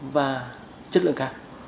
và chất lượng cao